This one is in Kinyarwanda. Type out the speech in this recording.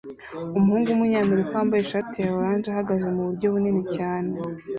Umuhungu wumunyamerika wambaye ishati ya orange ahagaze muburyo bunini cyane